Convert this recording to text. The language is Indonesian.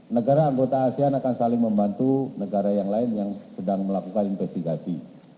negara anggota asean akan saling membantu negara yang lain yang sedang melakukan investigasi